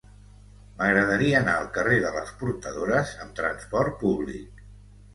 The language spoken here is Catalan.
M'agradaria anar al carrer de les Portadores amb trasport públic.